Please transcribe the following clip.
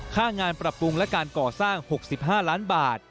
ค่างานปรับปรุงและการก่อสร้าง๖๕ล้านบาท